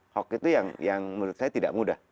hoax itu yang menurut saya tidak mudah